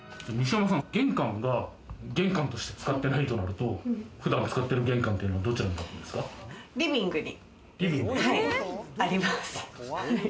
玄関が玄関として使ってないとなると、普段使ってる玄関というのはどちらになるんリビングにあります。